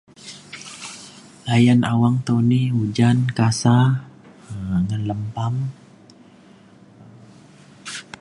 ayen awang tau ni ujan kasa um de lempam.